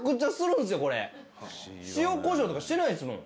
塩こしょうとかしてないですもん。